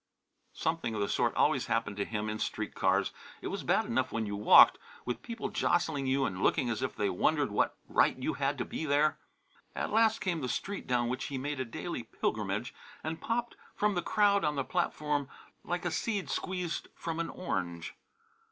Something of the sort always happened to him in street cars. It was bad enough when you walked, with people jostling you and looking as if they wondered what right you had to be there. At last came the street down which he made a daily pilgrimage and he popped from the crowd on the platform like a seed squeezed from an orange.